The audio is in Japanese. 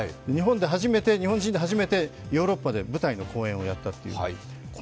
日本人で初めてヨーロッパで舞台の公演をやったという。